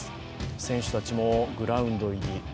選手たちもグラウンド入り。